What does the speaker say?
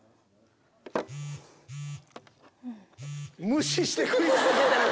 無視して食い続けてる！